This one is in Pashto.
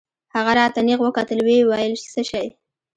هغه راته نېغ وکتل ويې ويل څه شى.